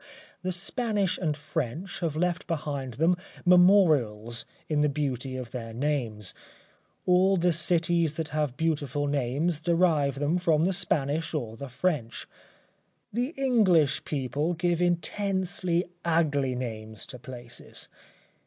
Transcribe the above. The Spanish and French have left behind them memorials in the beauty of their names. All the cities that have beautiful names derive them from the Spanish or the French. The English people give intensely ugly names to places.